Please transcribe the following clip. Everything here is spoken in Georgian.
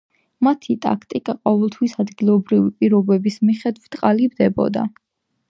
მათი ტაქტიკა ყოველთვის ადგილობრივი პირობების მიხედვით ყალიბდებოდა.